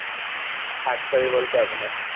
থাক, সরি বলতে হবে না।